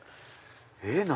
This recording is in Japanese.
えっ何？